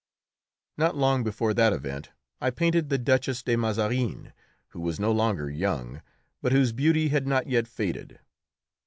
Not long before that event I painted the Duchess de Mazarin, who was no longer young, but whose beauty had not yet faded.